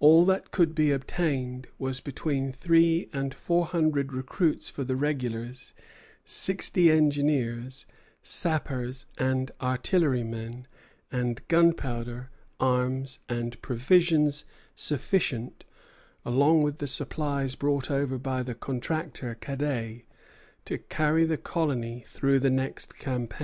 All that could be obtained was between three and four hundred recruits for the regulars, sixty engineers, sappers, and artillerymen, and gunpowder, arms, and provisions sufficient, along with the supplies brought over by the contractor, Cadet, to carry the colony through the next campaign.